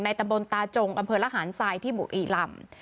ในตำบลตาจงบละหารทรายที่บุรีรำ